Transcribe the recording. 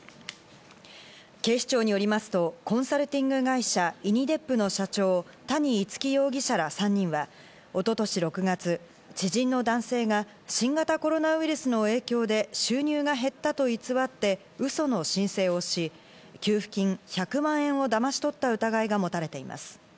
警視庁によりますと、コンサルティング会社員・ｉＮｉＤＥＰの社長・谷逸輝容疑者ら３人は一昨年６月、知人の男性が新型コロナウイルスの影響で収入が減ったと偽ってウソの申請をし、給付金１００万円をだまし取った疑いが持たれています。